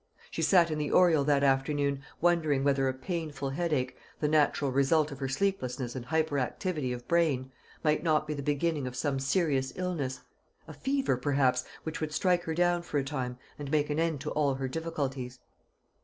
She sat in the oriel that afternoon, wondering whether a painful headache, the natural result of her sleeplessness and hyper activity of brain, might not be the beginning of some serious illness a fever perhaps, which would strike her down for a time and make an end to all her difficulties.